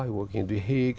tôi làm việc ở the hague